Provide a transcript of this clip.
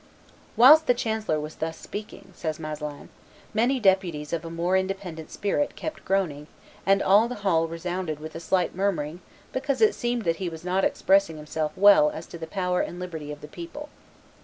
"Whilst the chancellor was thus speaking," says Masselin, "many deputies of a more independent spirit kept groaning, and all the hall resounded with a slight murmuring because it seemed that he was not expressing himself well as to the power and liberty of the people."